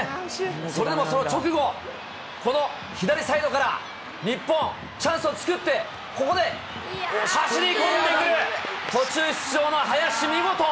それでもその直後、この左サイドから日本、チャンスを作って、ここで走り込んでくる、途中出場の林、見事！